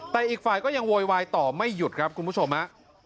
แต่อีกฝ่ายก็ยังโวยวายต่อไม่หยุดครับคุณผู้ชมฮะ